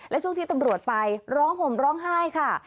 และช่วงที่ตำรวจไปร้องห่มร้องไห้ค่ะ